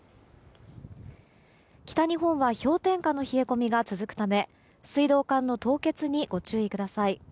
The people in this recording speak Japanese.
北日本は氷点下の冷え込みが続くため水道管の凍結にご注意ください。